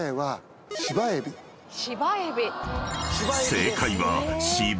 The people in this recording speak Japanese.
［正解は］